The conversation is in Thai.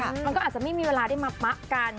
มันก็อาจจะไม่มีเวลาได้มาปะกัน